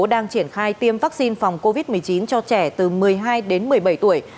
đang triển khai tiêm vaccine phòng covid một mươi chín cho trẻ từ một mươi hai đến một mươi bảy tuổi